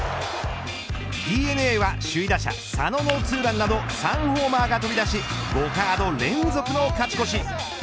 ＤｅＮＡは首位打者佐野のツーランなど３ホーマーが飛び出し５カード連続の勝ち越し。